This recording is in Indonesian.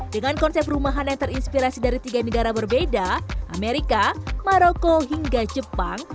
dengan konsep rumahan yang terinspirasi dari tiga negara berbeda amerika maroko hingga jepang